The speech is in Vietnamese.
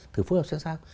thử phương hợp xem sao